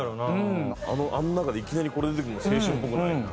あの中でいきなりこれ出てくるの青春っぽくない？